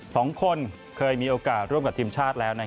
สองคนเคยมีโอกาสร่วมกับทีมชาติแล้ว